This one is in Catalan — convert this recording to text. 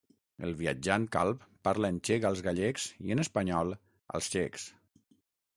El viatjant calb parla en txec als gallecs i en espanyol als txecs.